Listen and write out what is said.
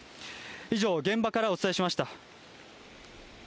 以上、現場からお伝えしました。